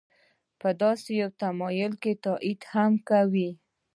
په داسې یو تمایل که تایید هم کوي.